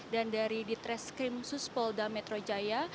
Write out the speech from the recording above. dan dari di treskrim sus polda metro jaya